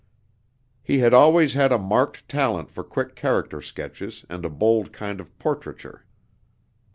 He had always had a marked talent for quick character sketches and a bold kind of portraiture.